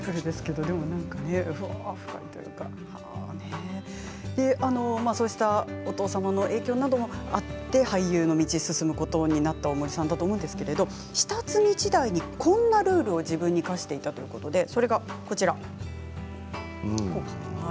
深いというかそうしたお父様の影響などもあって俳優の道に進むことになった大森さんだと思うんですが下積み時代にこんなルールを自分に課していたということです。